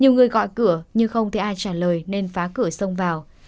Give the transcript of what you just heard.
nhiều người gọi cửa nhưng không thể ai trả lời nên phá cửa xông vào